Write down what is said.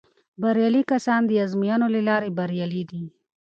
بریالي کسان د ازموینو له لارې بریالي کیږي.